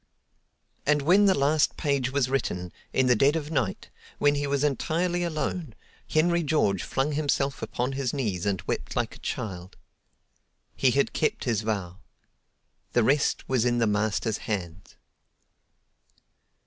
And when the last page was written, in the dead of night, when he was entirely alone, Henry George flung himself upon his knees and wept like a child. He had kept his vow. The rest was in the Master's hands.